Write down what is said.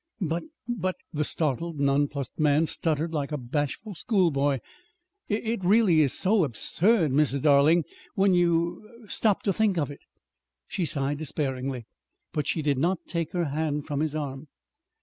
"But but " The startled, nonplussed man stuttered like a bashful schoolboy; "it really is so so absurd, Mrs. Darling, when you er stop to think of it." She sighed despairingly, but she did not take her hand from his arm.